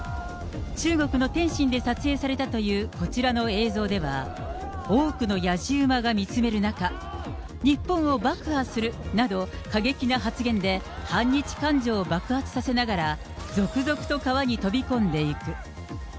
中国の天津で撮影されたというこちらの映像では、多くのやじ馬が見つめる中、日本を爆破するなど過激な発言で、反日感情を爆発させながら、続々と川に飛び込んでいく。